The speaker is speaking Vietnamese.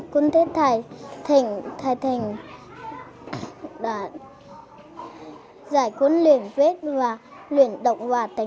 con thích thầy thành thầy thành giải cuốn luyện viết và luyện đọc